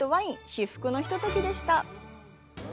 至福のひとときでした。